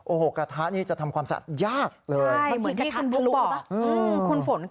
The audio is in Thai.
โอ้โหกระทะนี่จะทำความสะอาดยากเลยใช่เหมือนที่คุณฝนบอก